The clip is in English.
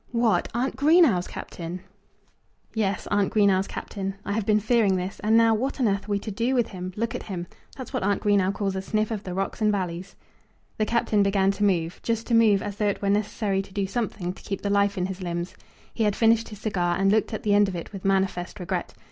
"What! aunt Greenow's Captain?" "Yes; aunt Greenow's Captain. I have been fearing this, and now, what on earth are we to do with him? Look at him. That's what aunt Greenow calls a sniff of the rocks and valleys." The Captain began to move, just to move, as though it were necessary to do something to keep the life in his limbs. He had finished his cigar, and looked at the end of it with manifest regret.